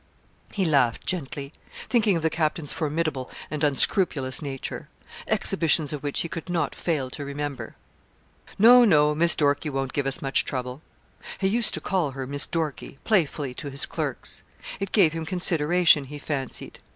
He laughed gently, thinking of the captain's formidable and unscrupulous nature, exhibitions of which he could not fail to remember. 'No, no, Miss Dorkie won't give us much trouble.' He used to call her 'Miss Dorkie,' playfully to his clerks. It gave him consideration, he fancied.